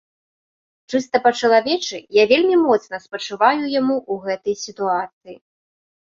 Чыста па чалавечы я вельмі моцна спачуваю яму ў гэтай сітуацыі.